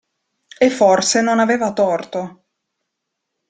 E forse non aveva torto.